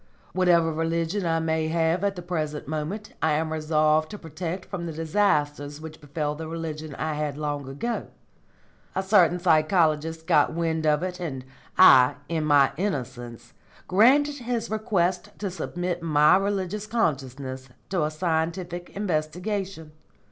"Whatever religion I may have at the present moment I am resolved to protect from the disasters which befell the religion I had long ago. A certain psychologist got wind of it, and I, in my innocence, granted his request to submit my religious consciousness to a scientific investigation.